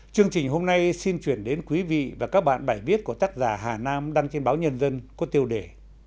chương trình hôm nay xin chuyển đến quý vị và các bạn bài viết của tác giả hà nam đăng trên báo nhân dân có tiêu đề